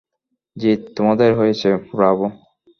জিত তোমাদেরই হয়েছে, ব্রাভো!